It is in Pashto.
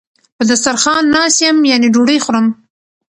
په دسترخان ناست یم یعنی ډوډی خورم